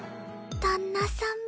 旦那さんみ